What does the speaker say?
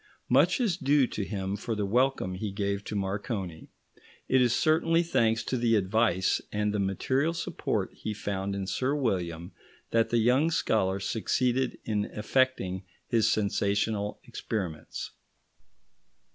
Much is due to him for the welcome he gave to Marconi; it is certainly thanks to the advice and the material support he found in Sir William that the young scholar succeeded in effecting his sensational experiments.